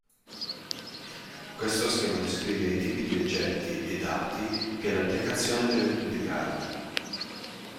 Questo schema descrive i tipi di oggetti e dati che l'applicazione deve pubblicare.